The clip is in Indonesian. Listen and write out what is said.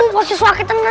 masih sakit tenaga